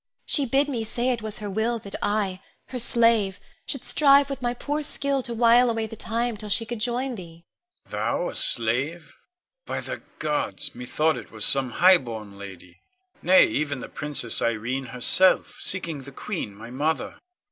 She bid me say it was her will that I, her slave, should strive with my poor skill to while away the time till she could join thee. Con. Thou, a slave? By the gods! methought it was some highborn lady, nay, even the Princess Irene herself, seeking the queen, my mother.